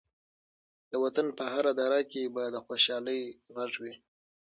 د وطن په هره دره کې به د خوشحالۍ غږ وي.